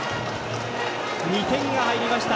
２点が入りました。